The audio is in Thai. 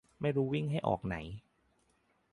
ไม่รู้วิ่งให้ออกไหน